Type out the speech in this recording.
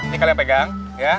ini kalian pegang